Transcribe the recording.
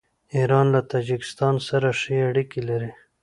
ایران له تاجکستان سره ښې اړیکې لري.